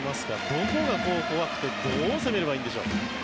どこが怖くてどう攻めればいいんでしょう。